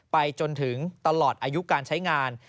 ไปจนถึงตลอดอายุการใช้งาน